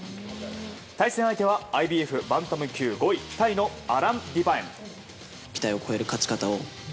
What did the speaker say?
対戦相手はＩＢＦバンタム級５位タイのアラン・ディパエン。